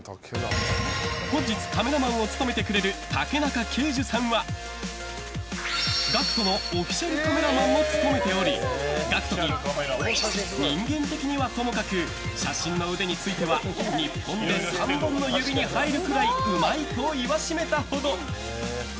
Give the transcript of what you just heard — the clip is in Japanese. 本日カメラマンを務めてくれる竹中圭樹さんはＧＡＣＫＴのオフィシャルカメラマンも務めておりＧＡＣＫＴからは人間的にはともかく写真の腕については日本で３本の指に入るくらいうまいと言わしめたほど。